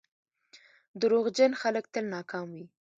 • دروغجن خلک تل ناکام وي.